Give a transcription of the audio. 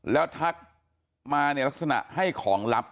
แล้วทักมาในลักษณะให้ของลับ